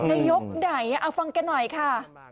นายกไหนเอาฟังแกหน่อยค่ะ